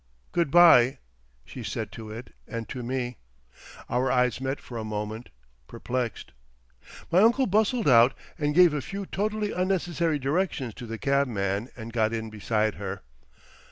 "Good bye!" she said to it and to me. Our eyes met for a moment—perplexed. My uncle bustled out and gave a few totally unnecessary directions to the cabman and got in beside her.